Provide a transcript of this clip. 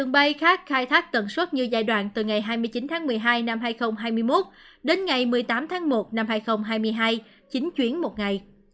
đường bay khác khai thác tần suất như giai đoạn từ ngày hai mươi chín tháng một mươi hai năm hai nghìn hai mươi một đến ngày một mươi tám tháng một năm hai nghìn hai mươi hai chín chuyến một ngày